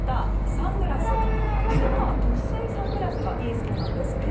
レンズの色が薄いサングラスがいいそうなんです。